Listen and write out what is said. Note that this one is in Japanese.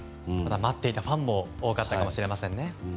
待っていたファンも多かったかもしれませんね。